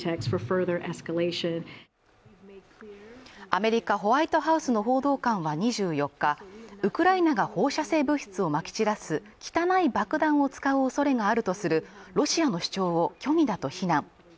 アメリカ・ホワイトハウスの報道官は２４日ウクライナが放射性物質をまき散らす汚い爆弾を使う恐れがあるとするロシアの主張を虚偽だと非難